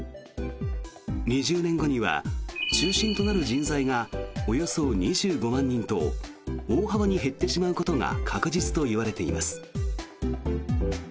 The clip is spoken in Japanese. ２０年後には中心となる人材がおよそ２５万人と大幅に減ってしまうことが確実と言われています。